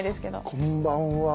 こんばんは。